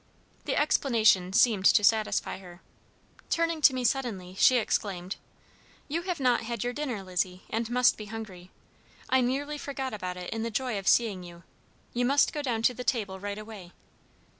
The explanation seemed to satisfy her. Turning to me suddenly, she exclaimed: "You have not had your dinner, Lizzie, and must be hungry. I nearly forgot about it in the joy of seeing you. You must go down to the table right away."